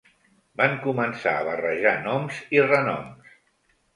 Van començar a barrejar noms i renoms.